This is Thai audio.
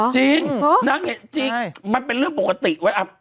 จริงนางเห็นจริงมันเป็นเรื่องปกติไว้